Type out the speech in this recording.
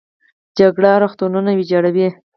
جګړه روغتونونه ویجاړوي